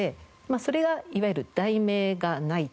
それがいわゆる「題名がない」という。